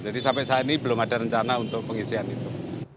jadi sampai saat ini belum ada rencana untuk pengisian itu